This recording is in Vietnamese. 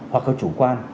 hoặc là chủ quan